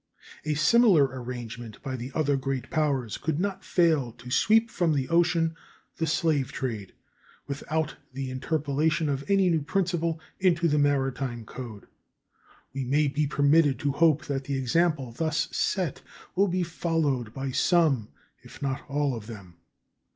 A similar arrangement by the other great powers could not fail to sweep from the ocean the slave trade without the interpolation of any new principle into the maritime code. We may be permitted to hope that the example thus set will be followed by some if not all of them.